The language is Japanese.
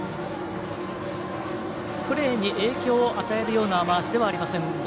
プレーに影響を与えるような雨脚ではありませんが